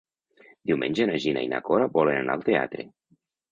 Diumenge na Gina i na Cora volen anar al teatre.